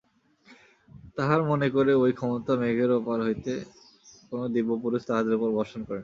তাহারা মনে করে ঐ ক্ষমতা মেঘের ওপার হইতে কোন দিব্যপুরুষ তাহাদের উপর বর্ষণ করেন।